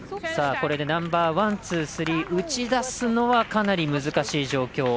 これでナンバーワン、ツー、スリー打ち出すのは、かなり難しい状況。